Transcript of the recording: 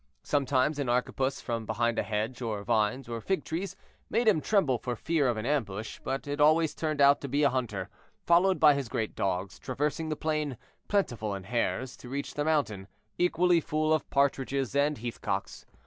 Sometimes an arquebuse from behind a hedge, or vines, or fig trees, made him tremble for fear of an ambush, but it always turned out to be a hunter, followed by his great dogs, traversing the plain, plentiful in hares, to reach the mountain, equally full of partridges and heathcocks.